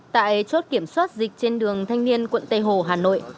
tại chốt kiểm soát dịch trên đường thanh niên quận tây hồ hà nội